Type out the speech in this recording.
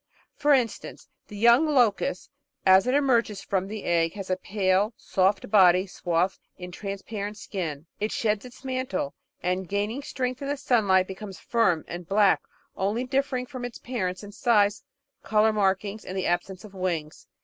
For instance, the young Locust, as it emerges from the egg, has a pale, soft body swathed in transparent skin. It sheds its mantle, and, gaining strength in the sunlight, becomes firm and black, only differing from its parents in size, colour markings, and the absence of wings.